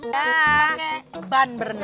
pake ban berenang